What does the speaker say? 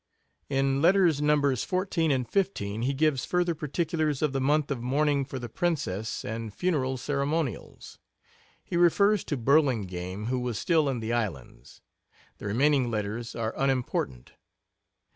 In letters Nos. 14. and 15. he gives further particulars of the month of mourning for the princess, and funeral ceremonials. He refers to Burlingame, who was still in the islands. The remaining letters are unimportant.